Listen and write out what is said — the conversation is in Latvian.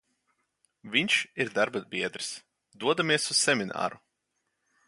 Vinš ir darbabiedrs, dodamies uz semināru.